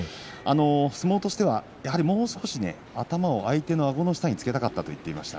相撲としては、もう少し頭を相手のあごの下につけたかったと言っていました。